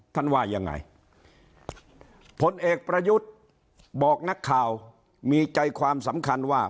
ว่ายังไงผลเอกประยุทธ์บอกนักข่าวมีใจความสำคัญว่า